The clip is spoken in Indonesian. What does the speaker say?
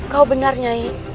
kau benar nyai